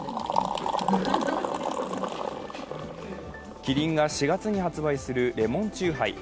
キリンが４月に発売するレモン酎ハイ。